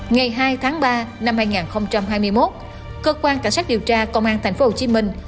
ngày hai tháng ba năm hai nghìn hai mươi một cơ quan cảnh sát điều tra công an thành phố hồ chí minh